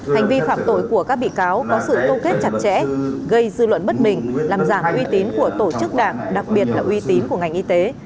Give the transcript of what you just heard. hành vi phạm tội của các bị cáo có sự câu kết chặt chẽ gây dư luận bất bình làm giảm uy tín của tổ chức đảng đặc biệt là uy tín của ngành y tế